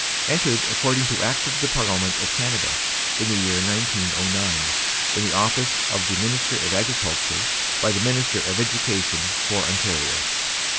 Entered, according to Act of the Parliament of Canada, in the year 1909, in the office of the Minister of Agriculture by the Minister of Education for Ontario.